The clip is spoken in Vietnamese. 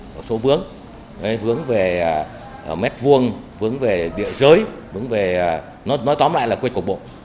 có số vướng vướng về mét vuông vướng về địa giới nói tóm lại là quyết cổng bộ